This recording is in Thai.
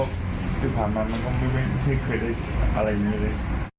ผม๑๙๔๕ที่ผ่านมาก็ไม่ได้เคยได้อะไรนี้เลย